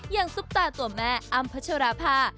อย่างซุปตาตัวแม่อัมพชรภา